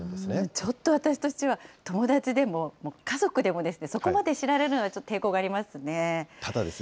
ちょっと私としては、友だちでも家族でもですね、そこまで知られるのはちょっと抵抗がありますね。